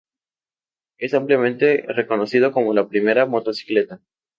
Es ampliamente reconocido como la primera motocicleta.